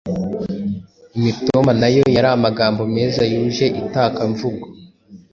Imitoma ,nayo yari amagambo meza yuje itakamvugo